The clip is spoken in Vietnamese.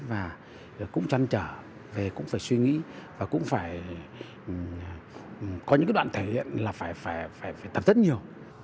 và cũng chăn trở về cũng phải suy nghĩ và cũng phải có những cái đoạn thể hiện là phải tập rất nhiều